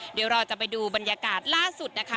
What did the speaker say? เดี๋ยวเราจะไปดูบรรยากาศล่าสุดนะคะ